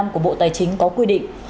của bộ tài chính có quy định